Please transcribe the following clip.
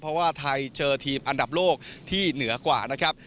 เพราะว่าไทยเจอทีมอันดับโลกที่เหนือกว่านะครับ